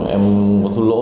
em cũng có thua lỗ